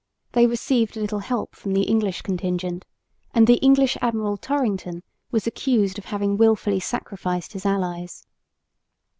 They received little help from the English contingent; and the English Admiral Torrington was accused of having wilfully sacrificed his allies.